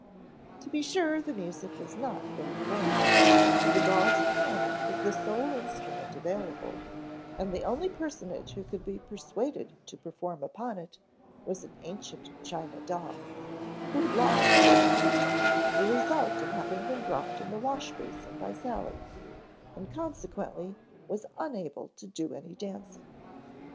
To be sure the music was not very grand, for the doll's piano was the sole instrument available and the only personage who could be persuaded to perform upon it was an ancient china doll, who had lost both feet, the result of having been dropped in the wash basin by Sally, and consequently was unable to do any dancing.